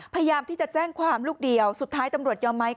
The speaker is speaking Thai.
พยายามที่จะแจ้งความลูกเดียวสุดท้ายตำรวจยอมไหม